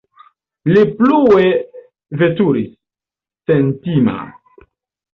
Li plue veturis, sentima.